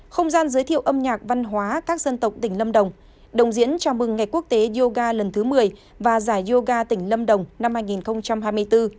không gian giới thiệu âm nhạc văn hóa các dân tộc tỉnh lâm đồng đồng diễn chào mừng ngày quốc tế yoga lần thứ một mươi và giải yoga tỉnh lâm đồng năm hai nghìn hai mươi bốn